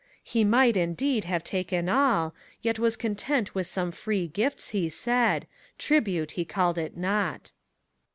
He might, indeed, have taken all ; yet was content With some free gifts, he said : tribute he called it not.